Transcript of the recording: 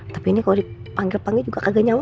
tapi ini kalau dipanggil panggil juga agak nyawa